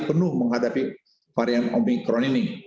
penuh menghadapi varian omikron ini